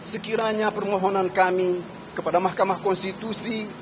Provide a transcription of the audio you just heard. sekiranya permohonan kami kepada mahkamah konstitusi